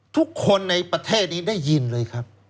ทุกคนในประเทศนี้ได้ยินเลยครับ